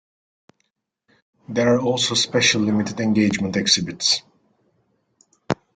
There are also special limited-engagement exhibits.